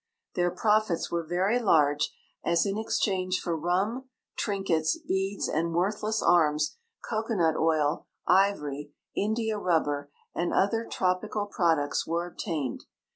Their jjrofits were very large, as, in ex change for rum, trinkets, beads, and worthless arms, cocoanut oil, ivory, india rubber, and other tropical products were obtained.